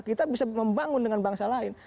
kita bisa membangun dengan bangsa lain